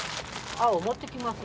青持ってきますわ。